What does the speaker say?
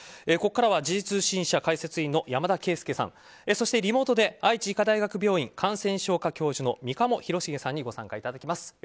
ここからは時事通信社解説委員の山田惠資さんそしてリモートで愛知医科大学病院感染症科教授の三鴨廣繁さんにご参加いただきます。